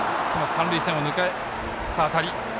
三塁線を抜けた当たり。